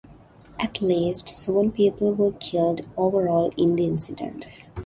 At least seven people were killed overall in the incident.